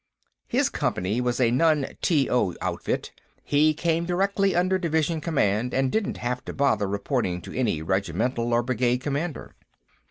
His company was a non T/O outfit; he came directly under Division command and didn't have to bother reporting to any regimental or brigade commanders.